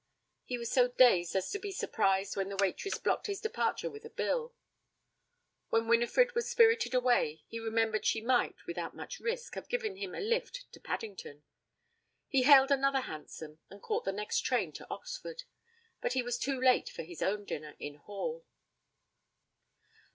He was so dazed as to be surprised when the waitress blocked his departure with a bill. When Winifred was spirited away, he remembered she might, without much risk, have given him a lift to Paddington. He hailed another hansom and caught the next train to Oxford. But he was too late for his own dinner in Hall.